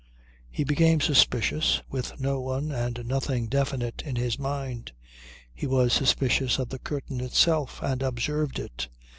He became suspicious, with no one and nothing definite in his mind. He was suspicious of the curtain itself and observed it.